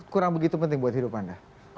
kurang begitu penting buat hidup anda